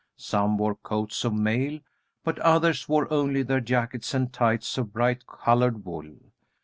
Some wore coats of mail, but others wore only their jackets and tights of bright colored wool.